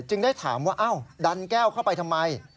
ได้ถามว่าอ้าวดันแก้วเข้าไปทำไม